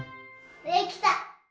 できた！